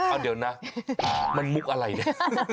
เอาเดี๋ยวนะมันมุกอะไรเนี่ย